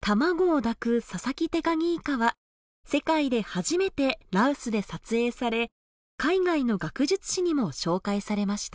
卵を抱くササキテカギイカは世界で初めて羅臼で撮影され海外の学術誌にも紹介されました。